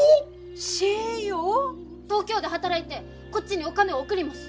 東京で働いてこっちにお金を送ります。